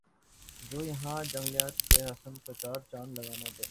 جو یَہاں کا جنگلات کےحسن کو چار چاند لگنا دینا ہونا